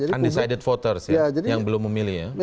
undecided voters ya yang belum memilih ya